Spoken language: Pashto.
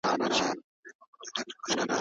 شخصي ژوند ته درناوی اړین دی.